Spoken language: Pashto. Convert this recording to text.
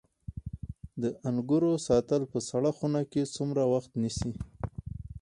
د انګورو ساتل په سړه خونه کې څومره وخت نیسي؟